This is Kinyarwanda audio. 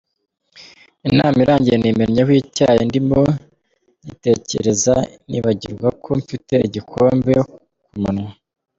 Inama irangiye nimennyeho icyayi ndimo nyitekereza nibagirwa ko mfite igikombe ku munwa.